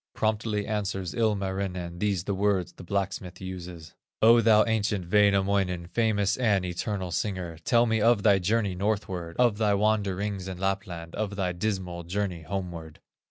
Promptly answers Ilmarinen, These the words the blacksmith uses: "O thou ancient Wainamoinen, Famous and eternal singer, Tell me of thy journey northward, Of thy wanderings in Lapland, Of thy dismal journey homeward."